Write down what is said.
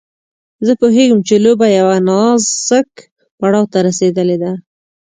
زه پوهېږم چې لوبه يوه نازک پړاو ته رسېدلې ده.